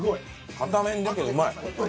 硬麺だけどうまい。